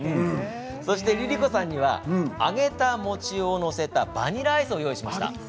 ＬｉＬｉＣｏさんには揚げた餅を載せたバニラアイスをご用意しました。